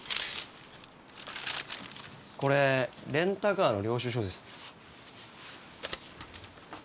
これレンタカーの領収書です。